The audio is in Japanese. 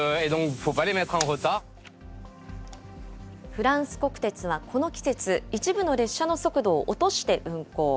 フランス国鉄はこの季節、一部の列車の速度を落として運行。